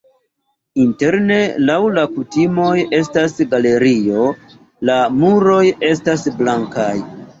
Interne laŭ la kutimoj estas galerio, la muroj estas blankaj.